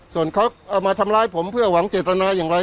ส่วนเขาเอามาทำร้ายผมเพื่อหวังเจตนาอย่างไร